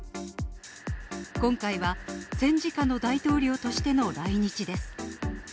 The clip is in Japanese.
今回は、戦時下の大統領としての来日です。